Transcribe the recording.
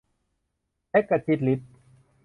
เล็กกระจิดริด